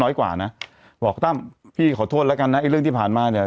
น้อยกว่าน่ะบอกตั้มพี่ขอโทษแล้วกันนะไอเลิกที่ผ่านมาเนี้ย